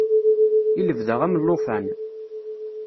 I lebda am llufan.